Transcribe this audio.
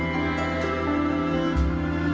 saya akan mencari kepuasan